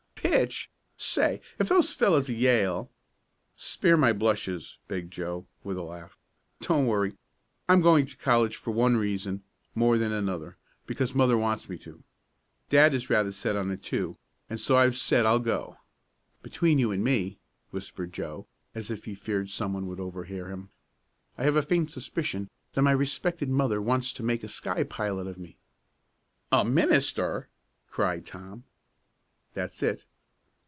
Pitch! Say if those fellows at Yale " "Spare my blushes," begged Joe, with a laugh. "Don't worry, I'm going to college for one reason, more than another, because mother wants me to. Dad is rather set on it, too, and so I've said I'll go. Between you and me," whispered Joe, as if he feared someone would overhear him, "I have a faint suspicion that my respected mother wants to make a sky pilot of me." "A minister!" cried Tom. "That's it."